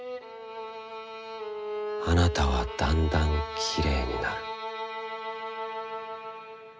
「あなたはだんだんきれいになる」。